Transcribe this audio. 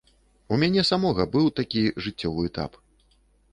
У мяне самога быў такі жыццёвы этап.